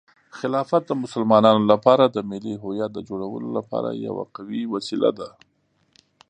خلافت د مسلمانانو لپاره د ملي هویت د جوړولو لپاره یوه قوي وسیله ده.